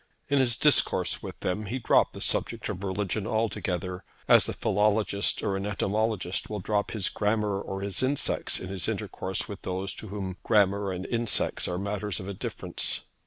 In his intercourse with them he dropped the subject of religion altogether, as a philologist or an entomologist will drop his grammar or his insects in his intercourse with those to whom grammar and insects are matters of indifference.